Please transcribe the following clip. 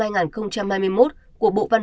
của bộ thông tin và truyền thông